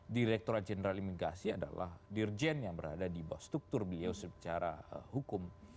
direkturat jenderal imigrasi adalah dirjen yang berada di bawah struktur beliau secara hukum